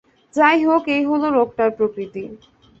যাই হোক এই হল রোগটার প্রকৃতি।